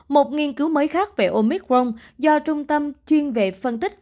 một nghiên cứu mới khác về omicron do trung tâm chuyên về phân tích